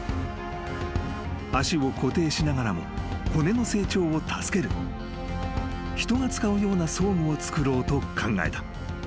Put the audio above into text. ［足を固定しながらも骨の成長を助ける人が使うような装具を作ろうと考えた］